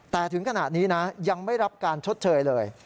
แต่ถึงขณะนี้นะยังไม่รับการชดเชยเลย